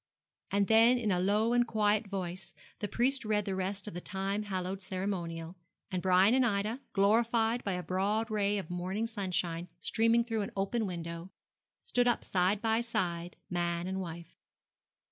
And then in a low and quiet voice the priest read the rest of the time hallowed ceremonial, and Brian and Ida, glorified by a broad ray of morning sunshine streaming through an open window, stood up side by side man and wife.